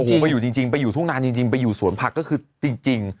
โอ้โหมาอยู่จริงไปอยู่ทุ่งนานจริงไปอยู่สวนผักก็คือจริง